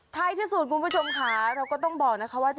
ท้ายที่สุดคุณผู้ชมค่ะเราก็ต้องบอกนะคะว่า